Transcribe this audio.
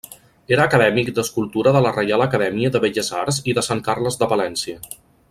Era acadèmic d'Escultura de la Reial Acadèmia de Belles Arts de Sant Carles de València.